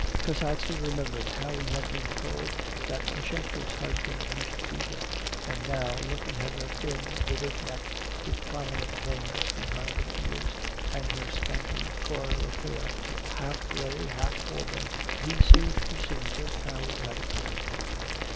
Kasatsky remembered how he had been told that Pashenka's husband used to beat her, and now, looking at her thin withered neck with prominent veins behind her ears, and her scanty coil of hair, half grey half auburn, he seemed to see just how it had occurred.